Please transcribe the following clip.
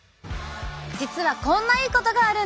実はこんないいことがあるんです。